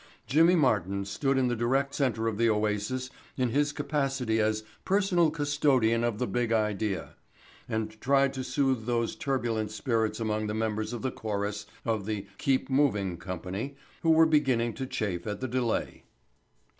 Jimmy Martin stood in the direct center of the oasis in his capacity as Personal Custodian of the Big Idea and tried to soothe those turbulent spirits among the members of the chorus of the "Keep Moving" company who were beginning to chafe at the delay.